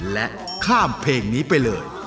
และข้ามเพลงนี้ไปเลย